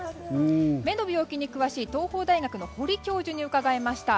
目の病気に詳しい東邦大学の堀教授に伺いました。